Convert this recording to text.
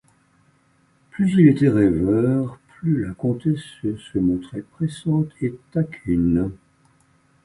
Plus il était rêveur, plus la comtesse se montrait pressante et taquine.